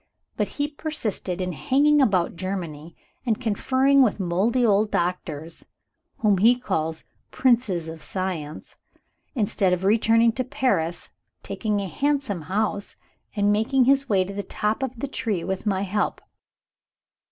But he persisted in hanging about Germany, and conferring with moldy old doctors (whom he calls "Princes of Science"!) instead of returning to Paris, taking a handsome house, and making his way to the top of the tree with my help.